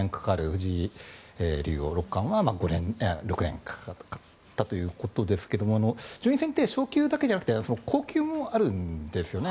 藤井竜王、六冠は６年かかったということですが順位戦って昇級だけじゃなくて降級もあるんですね。